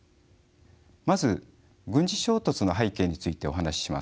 まず軍事衝突の背景についてお話しします。